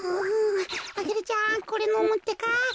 アゲルちゃんこれのむってか。